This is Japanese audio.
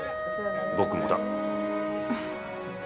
僕もだ。